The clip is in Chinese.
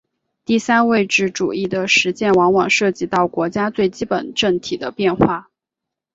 第三位置主义的实践往往涉及到国家最基本政体的变化。